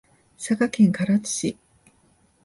佐賀県唐津市